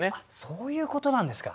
そういうことなんですか。